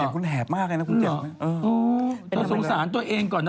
จะทรงสารตัวเองก่อนนะ